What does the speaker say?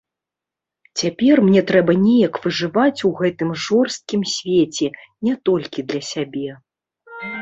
Цяпер мне трэба неяк выжываць у гэтым жорсткім свеце не толькі для сябе.